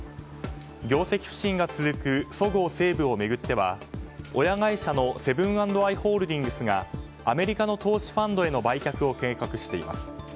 業績不振が続くそごう・西武を巡っては親会社のセブン＆アイ・ホールディングスがアメリカの投資ファンドへの売却を計画しています。